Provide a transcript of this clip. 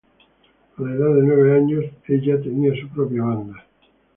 A la edad de nueve años, ella tenía su propia banda.